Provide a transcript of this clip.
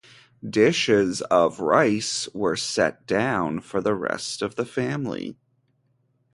Dishes of rice were set down for the rest of the family.